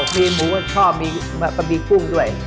มีหมูกระชอบมีออกปะบีกุ้งด้วย